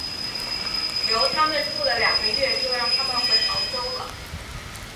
留他们住了两个月就让他们回杭州了。